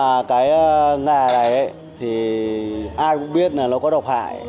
nhưng mà cái nghề này thì ai cũng biết là nó có độc hại